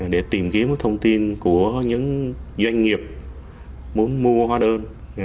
để tìm kiếm thông tin của những doanh nghiệp muốn mua hóa đơn